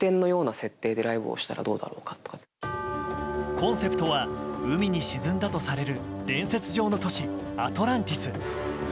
コンセプトは海に沈んだとされる伝説上の都市アトランティス。